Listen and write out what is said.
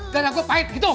darah gue pahit gitu